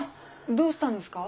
どうしたんですか？